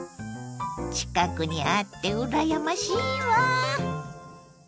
近くにあってうらやましいわ。